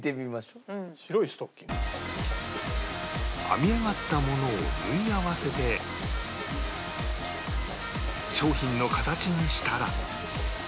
編み上がったものを縫い合わせて商品の形にしたら